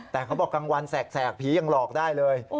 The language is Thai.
แต่เขาบอกกลางวันแสกผียังหลอกได้เลย